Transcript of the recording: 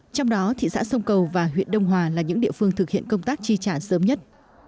trong đó thị xã sông cầu và huyện đông hòa là những địa phương thực hiện công tác chi trả sớm nhất